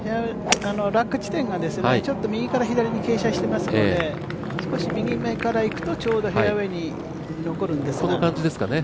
落下地点がちょっと右から左に傾斜していますので少し右めからいくとちょうどフェアウエーに残るんですが。